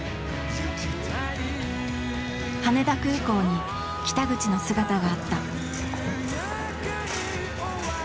羽田空港に北口の姿があった。